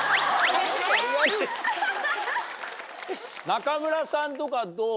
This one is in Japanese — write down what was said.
中村さんとかどう？